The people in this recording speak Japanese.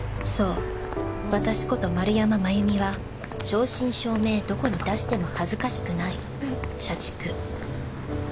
そう私こと丸山真由美は正真正銘どこに出しても恥ずかしくない社畜。